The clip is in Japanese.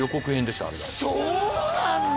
そうなんだ！